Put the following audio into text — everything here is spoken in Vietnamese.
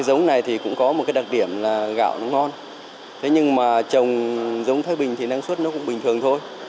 giống này thì cũng có một đặc điểm là gạo nó ngon nhưng mà trồng giống thai bình thì năng suất nó cũng bình thường thôi